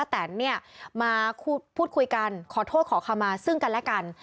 แตนเนี่ยมาพูดคุยกันขอโทษขอคำมาซึ่งกันและกัน